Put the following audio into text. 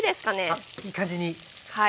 あっいい感じに。